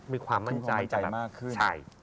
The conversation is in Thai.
มีความมั่นใจความมั่นใจมากขึ้น